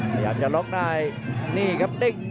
แต่อย่างจะล็อกได้นี่ครับติ้ง